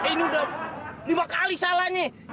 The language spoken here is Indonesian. ini udah lima kali salah nih